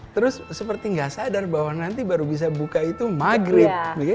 terus seperti nggak sadar bahwa nanti baru bisa buka itu maghrib